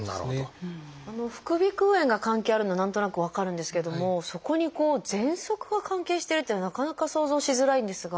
副鼻腔炎が関係あるのは何となく分かるんですけどもそこにこうぜんそくが関係してるっていうのはなかなか想像しづらいんですが。